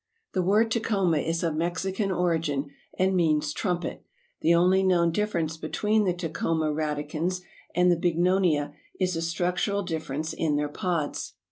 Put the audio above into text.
The word Tecoma is of Mexican origin and means trumpet, the only known difference between the Tecoma radicans and the Bignonia is a structural difference in their pods.